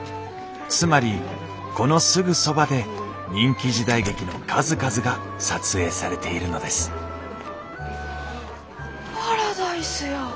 つまりこのすぐそばで人気時代劇の数々が撮影されているのですパラダイスや。